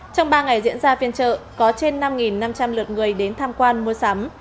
trong ba ngày diễn ra phiên trợ có trên năm năm trăm linh lượt người đến tham quan mua sắm